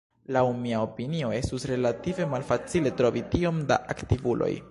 Laŭ mia opinio estus relative malfacile trovi tiom da aktivuloj.